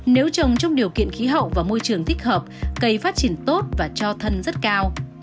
nếu trồng trong điều kiện khí hậu và môi trường thích hợp cây phát triển tốt và cho thân rất cao